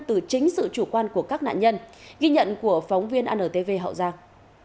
từ chính sự chủ quan của các nạn nhân ghi nhận của phóng viên antv hậu giang